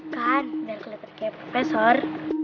kan biar kelihatan kayak profesor